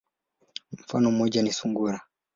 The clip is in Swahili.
Mfano moja ni sungura.